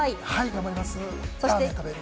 頑張ります。